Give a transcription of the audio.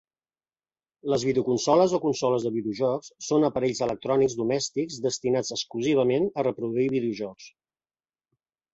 Les videoconsoles o consoles de videojocs són aparells electrònics domèstics destinats exclusivament a reproduir videojocs.